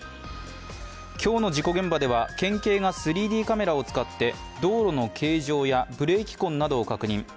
今日の事故現場では、県警が３Ｄカメラを使って道路の形状やブレーキ痕などを確認。